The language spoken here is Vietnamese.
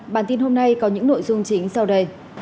bản tin hôm nay có những nội dung chính sau đây